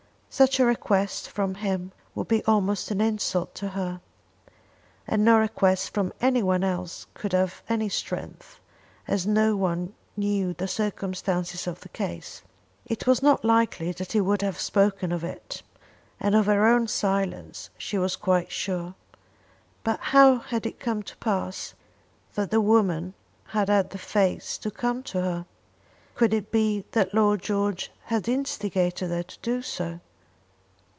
Such a request from him would be almost an insult to her. And no request from anyone else could have any strength, as no one else knew the circumstances of the case. It was not likely that he would have spoken of it, and of her own silence she was quite sure. But how had it come to pass that the woman had had the face to come to her? Could it be that Lord George had instigated her to do so?